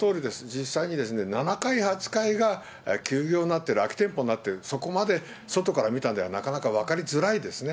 実際に７階、８階が休業になってる、空き店舗になってる、そこまで外から見たのではなかなか分かりづらいですね。